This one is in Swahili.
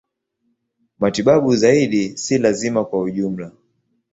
Matibabu zaidi si lazima kwa ujumla.